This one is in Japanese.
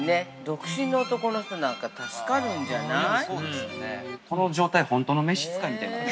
独身の男の人なんか、助かるんじゃない？